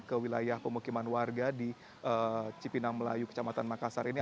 ke wilayah pemukiman warga di cipinang melayu kecamatan makassar ini